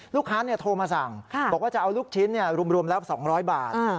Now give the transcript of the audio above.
ลูกค้าโทรมาสั่งบอกว่าจะเอาลูกชิ้นรวมแล้ว๒๐๐บาท